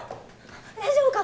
大丈夫か？